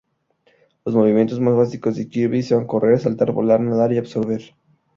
Los movimientos más básicos de Kirby son correr, saltar, volar, nadar y absorber.